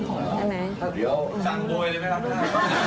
คุณเอาคุณเลยตามหัว